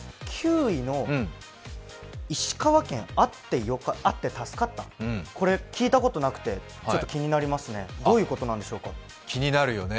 ９位の石川県あって助かったこれ聞いたことなくてちょっと気になりますね、どういうことなんでしょうか。